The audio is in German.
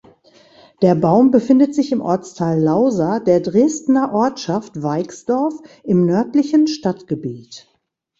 Der Baum befindet sich im Ortsteil Lausa der Dresdner Ortschaft Weixdorf im nördlichen Stadtgebiet.